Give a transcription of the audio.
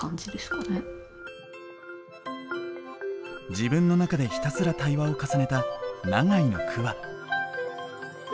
自分の中でひたすら対話を重ねた永井の句は。